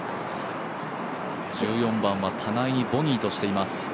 １４番は互いにボギーとしています。